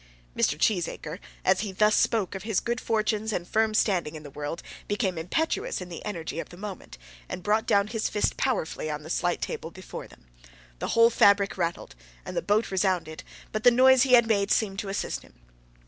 Mr. Cheesacre, as he thus spoke of his good fortunes and firm standing in the world, became impetuous in the energy of the moment, and brought down his fist powerfully on the slight table before them. The whole fabric rattled, and the boat resounded, but the noise he had made seemed to assist him.